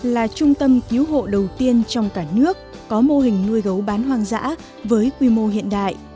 là trung tâm cứu hộ đầu tiên trong cả nước có mô hình nuôi gấu bán hoang dã với quy mô hiện đại